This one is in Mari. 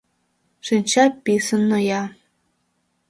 — Шинча писын ноя.